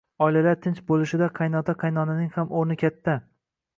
Oilalar tinch bo‘lishida qaynota-qaynonaning ham o‘rni katta.